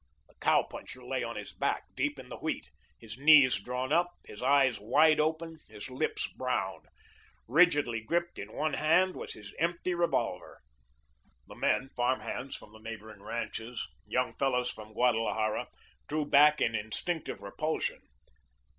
The cow puncher lay on his back, deep in the wheat, his knees drawn up, his eyes wide open, his lips brown. Rigidly gripped in one hand was his empty revolver. The men, farm hands from the neighbouring ranches, young fellows from Guadalajara, drew back in instinctive repulsion.